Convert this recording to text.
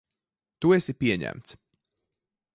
Tu esi pieņemts.